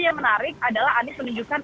yang menarik adalah anies menunjukkan